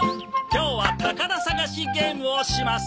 今日は宝探しゲームをします。